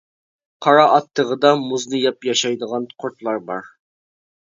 قارا ئات تېغىدا مۇزنى يەپ ياشايدىغان قۇرتلار بار.